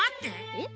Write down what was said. えっ？